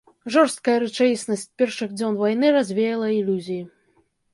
Жорсткая рэчаіснасць першых дзён вайны развеяла ілюзіі.